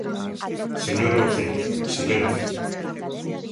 Señora Uceira, ¡silencio!